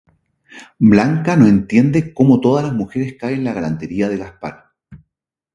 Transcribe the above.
Blanca no entiende cómo todas las mujeres caen en la galantería de Gaspar.